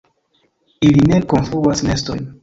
Ili ne konstruas nestojn.